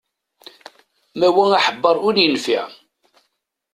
Mawa aḥebber ur yenfiɛ.